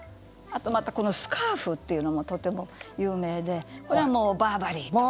あとスカーフというのもとても有名でこれはもうバーバリーと。